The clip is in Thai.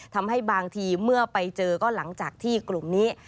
ทำให้บางทีเมื่อไปเจอก็หลังจากที่กลุ่มนี้